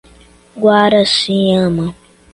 Guaraciama